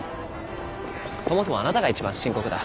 そもそもあなたが一番深刻だ。